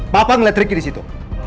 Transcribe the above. papa ngeliat riki di situ